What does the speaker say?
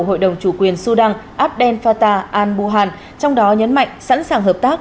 hội đồng chủ quyền sudan abdel fatah al buhan trong đó nhấn mạnh sẵn sàng hợp tác